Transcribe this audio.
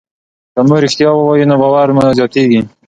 که موږ ریښتیا ووایو نو باور مو زیاتېږي.